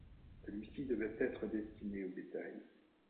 Celui-ci devait être destiné au bétail.